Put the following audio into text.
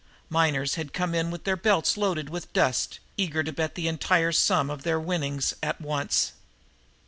Miners had come in with their belts loaded with dust, eager to bet the entire sum of their winnings at once.